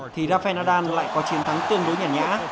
thì rafael nadal lại có chiến thắng tương đối nhả nhã